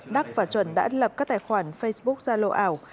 đắc và chuẩn đã lập các tài khoản facebook ra lô ảo